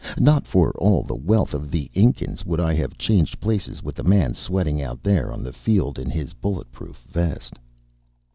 Not for all the wealth of the Incas would I have changed places with the man sweating out there on the field in his bulletproof vest.